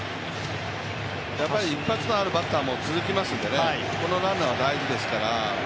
一発のあるバッターも続きますので、このランナー大事ですから。